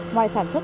ngoài sản xuất